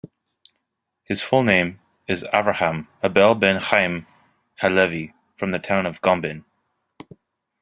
His full name is Avraham Abele ben Chaim HaLevi from the town of Gombin.